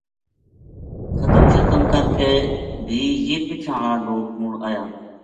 ختم خیرات کرکے بھی یہ پچھاں ہالا لوک مڑآیا